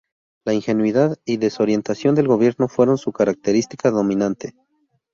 La ingenuidad y desorientación del gobierno fueron su característica dominante.